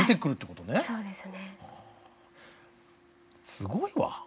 すごいわ。